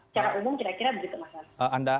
secara umum kira kira begitu mas